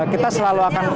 kita selalu akan